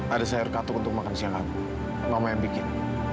ada sayur katuk untuk makan siang kamu mama yang bikin